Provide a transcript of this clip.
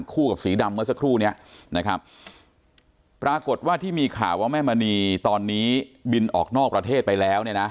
กับสีดำเมื่อสักครู่เนี้ยนะครับปรากฏว่าที่มีข่าวว่าแม่มณีตอนนี้บินออกนอกประเทศไปแล้วเนี่ยนะ